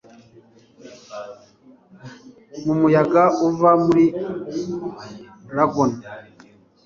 mu muyaga uva muri lagoon